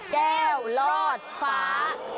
แก้วลอดฟ้า